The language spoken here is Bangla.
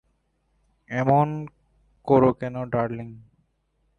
এমন করো কেন, ডার্লিং।